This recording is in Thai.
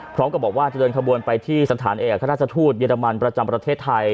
พร้อมกับบอกว่าจะเดินขบวนไปที่สถานเอกราชทูตเยอรมันประจำประเทศไทย